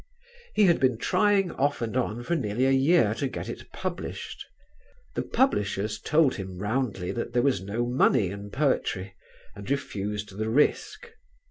He had been trying off and on for nearly a year to get it published. The publishers told him roundly that there was no money in poetry and refused the risk.